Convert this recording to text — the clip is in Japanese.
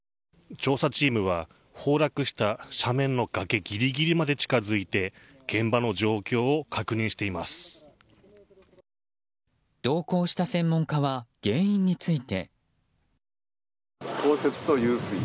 調査チームは崩落した斜面の崖ぎりぎりまで近づいて同行した専門家は原因について。